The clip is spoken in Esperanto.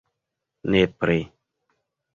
Nepre!